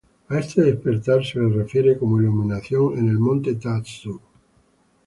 A este despertar se le refiere como "iluminación en el Monte Ta-su".